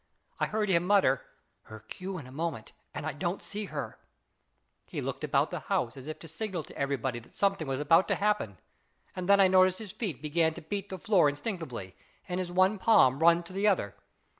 I heard him mutter, " Her cue in a moment, and I don't see her !" He looked around the house as if to signal to everybody that something was about to happen, and then I noticed his feet begin to beat the floor instinctively, and his one palm run to the other.